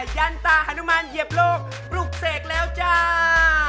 ยันตาฮานุมานเหยียบโลกปลุกเสกแล้วจ้า